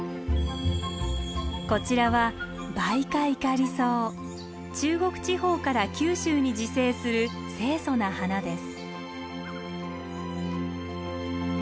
こちらは中国地方から九州に自生する清楚な花です。